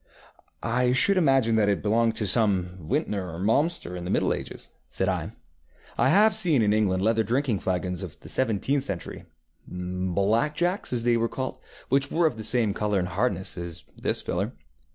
ŌĆ£I should imagine that it belonged to some vintner or maltster in the middle ages, ŌĆØ said I. ŌĆ£I have seen in England leathern drinking flagons of the seventeenth centuryŌĆöŌĆśblack jacksŌĆÖ as they were calledŌĆöwhich were of the same colour and hardness as this filler.